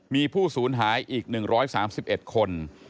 มีผู้สูญหายอีก๑๓๑คน